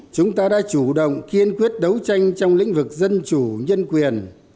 chúng ta đã chủ động kiên quyết đấu tranh trong lĩnh vực dân chủ nhân quyền